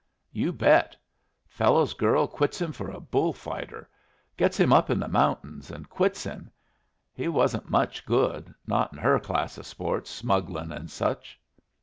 "You bet. Fellow's girl quits him for a bullfighter. Gets him up in the mountains, and quits him. He wasn't much good not in her class o' sports, smugglin' and such."